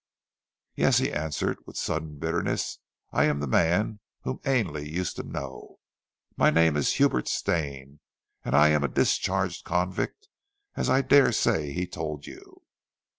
"Yes," he answered with sudden bitterness, "I am the man whom Ainley used to know. My name is Hubert Stane, and I am a discharged convict, as I daresay he told you."